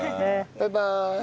バイバーイ。